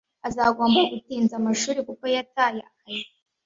Azagomba gutinza amashuri kuko yataye akazi.